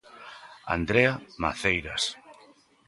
Andrea Maceiras.